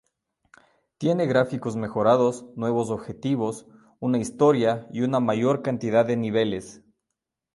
Tiene gráficos mejorados, nuevos objetivos, una historia y una mayor cantidad de niveles.